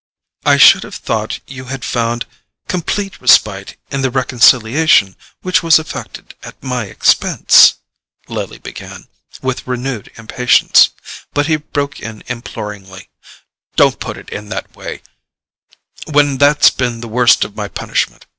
"I should have thought you had found complete respite in the reconciliation which was effected at my expense," Lily began, with renewed impatience; but he broke in imploringly: "Don't put it in that way—when that's been the worst of my punishment.